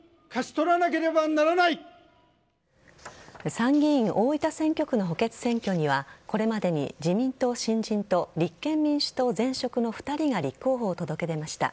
参議院大分選挙区の補欠選挙にはこれまでに自民党新人と立憲民主党前職の２人が立候補を届け出ました。